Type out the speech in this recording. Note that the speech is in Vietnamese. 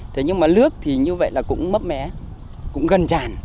thế nhưng mà lước thì như vậy là cũng mấp mé cũng gần chản